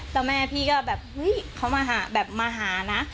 เจ้าแม่พี่ก็แบบเฮ้ยเขามาหาแบบมาหานะ